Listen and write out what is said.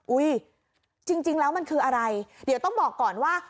จริงแล้วมันคืออะไรเดี๋ยวต้องบอกก่อนว่า